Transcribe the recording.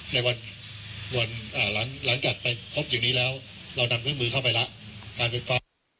ในวันวันอ่าหลังหลังจากไปพบอย่างนี้แล้วเรานำเครื่องมือเข้าไปแล้ว